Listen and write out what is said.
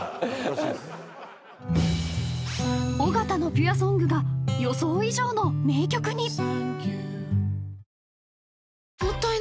［尾形のピュアソングが予想以上の名曲に］